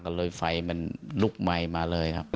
ก็เลยไฟมันลุกไหมมาเลยครับ